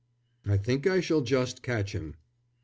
"I think I shall just catch him."